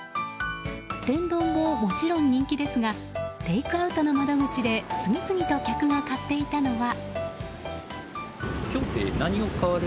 天丼ももちろん人気ですがテイクアウトの窓口で次々と客が買っていたのは。